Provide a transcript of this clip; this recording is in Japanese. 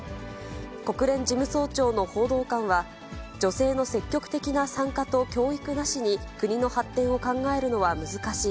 国連事務総長の報道官は、女性の積極的な参加と教育なしに、国の発展を考えるのは難しい。